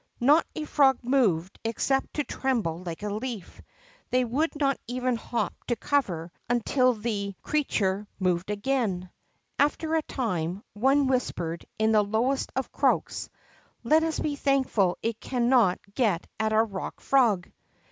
Xot a frog moved except to tremble like a leaf. They would not even hop to cover, until the 40 THE WOUNDED AIR GIANT 41 creature moved again. After a time, one whis pered, in the lowest of croaks: Let us be thankful it cannot get at our Rock Frog."